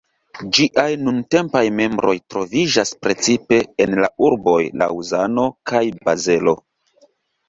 Ĝiaj nuntempaj membroj troviĝas precipe en la urboj Laŭzano kaj Bazelo.